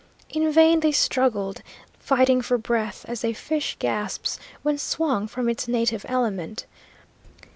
In vain they struggled, fighting for breath, as a fish gasps when swung from its native element.